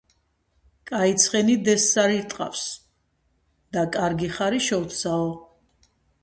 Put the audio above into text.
კაი ცხენი დეზს არ ირტყამს და კაი ხარი - შოლტსაო